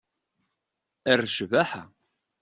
Ɣer ccbaḥa.